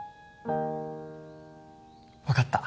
分かった